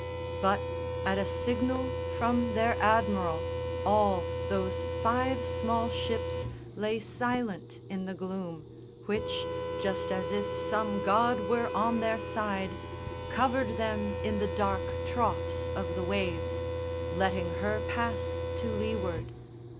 But, at a signal from their admiral, all Those five small ships lay silent in the gloom Which, just as if some god were on their side, Covered them in the dark troughs of the waves, Letting her pass to leeward.